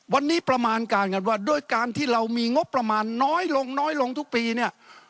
วันนี้ประมาณการกันว่าด้วยการที่เรามีงบประมาณน้อยลงน้อยลงทุกปีเนี่ย